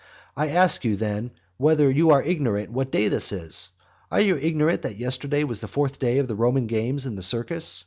I ask you then, whether you are ignorant what day this is? Are you ignorant that yesterday was the fourth day of the Roman games in the Circus?